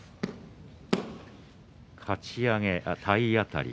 かち上げ、体当たり。